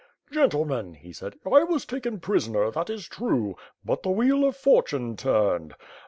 "Gentlemen," he said, "1 was taken prisoner, that is true, but the wheel of fortune turned.